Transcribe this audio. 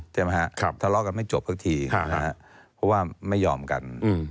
ทะเลาะกันไม่จบทักทีเพราะว่าไม่ยอมกัน